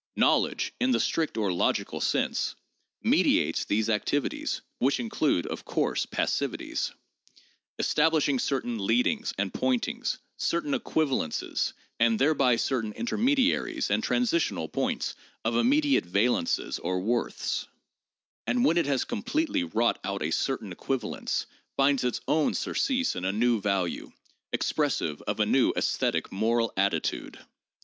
Knowledge, in the strict or logical sense, mediates these activities (which include, of course, passivities), establishing certain 'leadings' and 'pointings,' certain equivalences, and thereby certain intermediaries and transi tional points of immediate valences or worths ; and, when it has com pletely wrought out a certain equivalence, finds its own surcease in a new value, expressive of a new esthetic moral attitude.